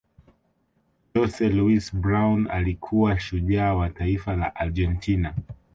jose luis brown alikuwa shujaa wa taifa la argentina